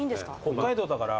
北海道だから。